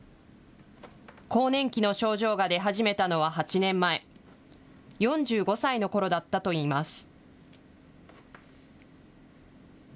更年期の症状が出始めたのは８年前、４５歳のころだったといいます。